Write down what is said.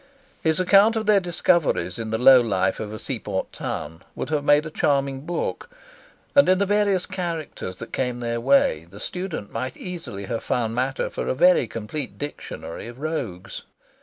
His account of their discoveries in the low life of a seaport town would have made a charming book, and in the various characters that came their way the student might easily have found matter for a very complete dictionary of rogues.